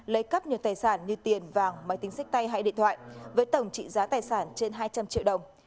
lấy cắp nhiều tài sản như tiền vàng máy tính sách tay hay điện thoại với tổng trị giá tài sản trên hai trăm linh triệu đồng